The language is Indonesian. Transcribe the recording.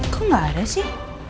kok gak ada sih